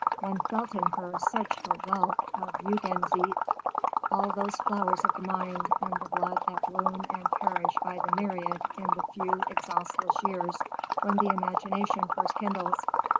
One felt in her such a wealth of Jugendzeit, all those flowers of the mind and the blood that bloom and perish by the myriad in the few exhaustless years when the imagination first kindles.